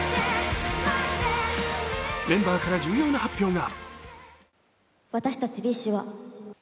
メンバーから重要な発表が。